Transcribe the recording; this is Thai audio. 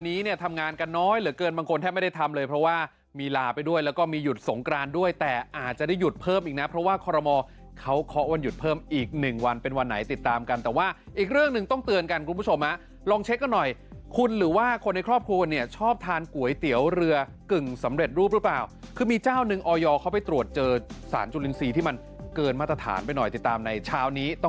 วันนี้เนี่ยทำงานกันน้อยเหลือเกินบางคนแทบไม่ได้ทำเลยเพราะว่ามีลาไปด้วยแล้วก็มีหยุดสงกรานด้วยแต่อาจจะได้หยุดเพิ่มอีกนะเพราะว่าคอรมอลเขาเค้าะวันหยุดเพิ่มอีกหนึ่งวันเป็นวันไหนติดตามกันแต่ว่าอีกเรื่องหนึ่งต้องเตือนกันคุณผู้ชมอ่ะลองเช็คกันหน่อยคุณหรือว่าคนในครอบครูเนี่ยชอบทานก